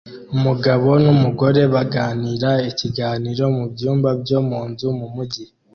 Umugabo numugore bagirana ikiganiro mubyumba byo munzu mumujyi